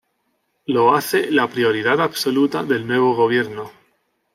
Lo hace la prioridad absoluta del nuevo gobierno.